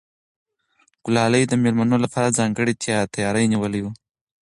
ګلالۍ د مېلمنو لپاره ځانګړی تیاری نیولی و.